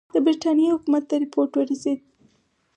د برټانیې حکومت ته رپوټ ورسېد.